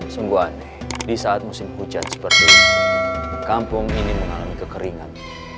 sungguhan di saat musim hujan seperti ini kampung ini mengalami kekeringan